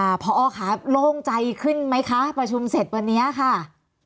พอค่ะโล่งใจขึ้นไหมคะประชุมเสร็จวันนี้ค่ะ